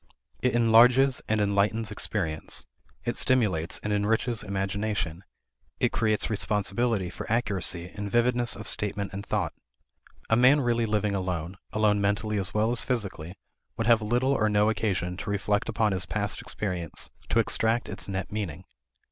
It enlarges and enlightens experience; it stimulates and enriches imagination; it creates responsibility for accuracy and vividness of statement and thought. A man really living alone (alone mentally as well as physically) would have little or no occasion to reflect upon his past experience to extract its net meaning.